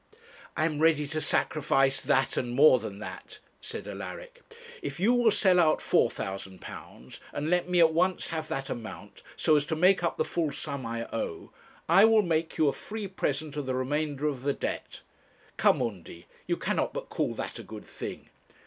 'I am ready to sacrifice that and more than that,' said Alaric. 'If you will sell out £4,000, and let me at once have that amount, so as to make up the full sum I owe, I will make you a free present of the remainder of the debt. Come, Undy, you cannot but call that a good thing.